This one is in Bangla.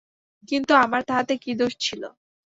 কিন্তু আমার তাহাতে কী দোষ ছিল।